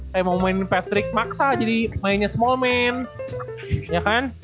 kayak mau mainin patrick maksa jadi mainnya small man ya kan